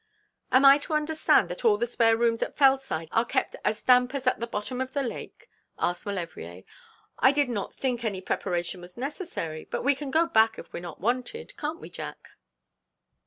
'Am I to understand that all the spare rooms at Fellside are kept as damp as at the bottom of the lake?' asked Maulevrier. 'I did not think any preparation was necessary; but we can go back if we're not wanted, can't we, Jack?'